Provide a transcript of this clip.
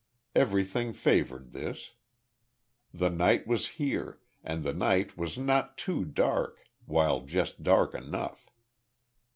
Everything favoured this. The night was here, and the night was not too dark, while just dark enough.